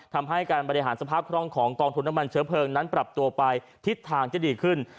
ทำให้การบริหารสภาพคล่องของกองทุนน้ำมันเชื้อเพลิงนั้นปรับตัวไปทิศทางที่ดีขึ้น